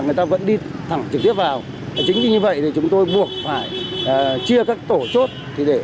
người ta vẫn đi thẳng trực tiếp vào chính vì như vậy thì chúng tôi buộc phải chia các tổ chốt để